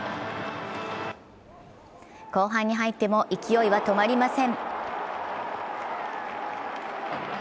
後半に入っても勢いは止まりません。